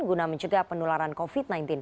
guna mencegah penularan covid sembilan belas